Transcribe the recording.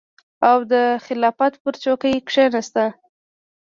او د خلافت پر څوکۍ کېناست.